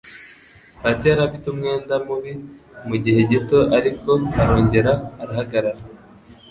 Bahati yari afite umwenda mubi mugihe gito ariko arongera arahagarara